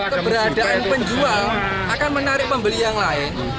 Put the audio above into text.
keberadaan penjual akan menarik pembeli yang lain